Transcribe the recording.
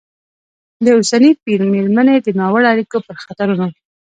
د اوسني پېر مېرمنې د ناوړه اړیکو پر خطرونو